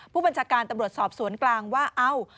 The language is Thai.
ผู้บัญชาการตำรวจสอบสวนกลางว่าเอ้า